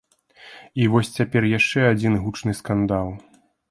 І вось цяпер яшчэ адзін гучны скандал.